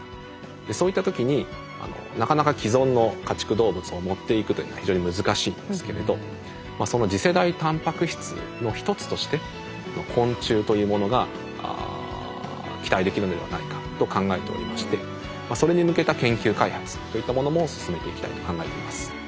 そういった時になかなか既存の家畜動物を持っていくというのは非常に難しいんですけれどその次世代たんぱく質の一つとして昆虫というものが期待できるのではないかと考えておりましてそれに向けた研究開発といったものも進めていきたいと考えています。